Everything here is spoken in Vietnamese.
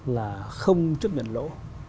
là không chấp nhận lỗ